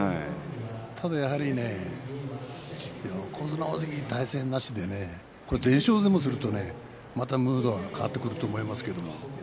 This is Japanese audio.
ただ、やはり横綱大関対戦なしで全勝でもするとまたムードは変わってくると思いますけれども。